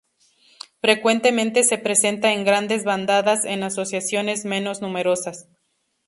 Frecuentemente se presenta en grandes bandadas, en asociaciones menos numerosas.